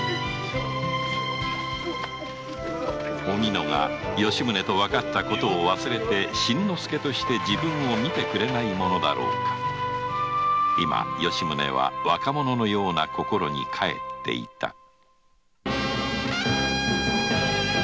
おみのが吉宗とわかったことを忘れて新之助として自分を見てくれないものだろうか今吉宗は若者のような心にかえっていた